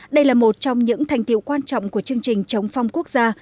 đây là một trong những thành tiệu quan trọng của chương trình chống phong quốc gia